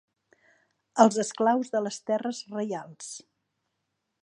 Els esclaus de les terres reials.